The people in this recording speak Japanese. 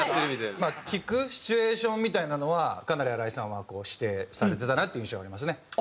まあ聴くシチュエーションみたいなのはかなり新井さんは指定されてたなっていう印象ありますね。